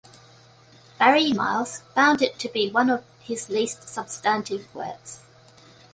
Barry Miles found it to be one of his "least substantive" works.